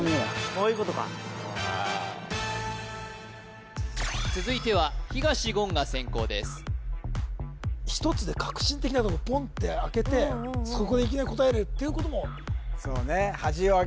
・そういうことか続いては東言が先攻です１つで確信的なとこポンって開けてそこでいきなり答えるっていうこともそうね